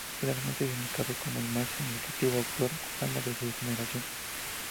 Generalmente es indicado como el más significativo autor cubano de su generación.